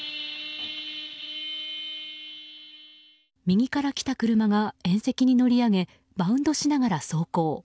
右から来た車が縁石に乗り上げバウンドしながら走行。